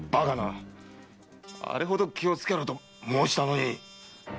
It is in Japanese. あれほど気をつけろと申したのに。